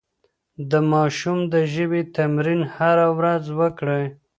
د ماشوم د ژبې تمرين هره ورځ وکړئ.